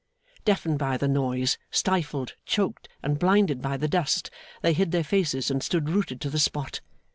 Deafened by the noise, stifled, choked, and blinded by the dust, they hid their faces and stood rooted to the spot.